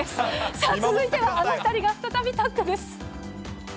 さあ、続いてはあの２人が再びタッグです。